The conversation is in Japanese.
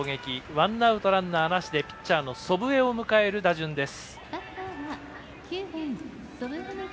ワンアウト、ランナーなしでピッチャーの祖父江を迎える打順です。